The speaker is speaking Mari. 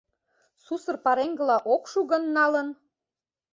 Сусыр пареҥгыла ок шу гын налын